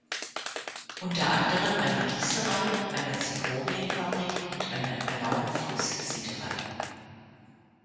Unter anderem eine Gießerei, eine Zichorienfabrik und eine Alaunfluss-Siederei.